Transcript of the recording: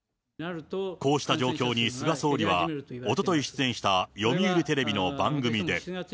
こうした状況に菅総理は、おととい出演した読売テレビの番組で。